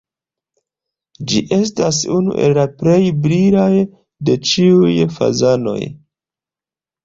Ĝi estas unu el la plej brilaj de ĉiuj fazanoj.